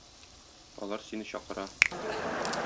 Алар сине чакыра!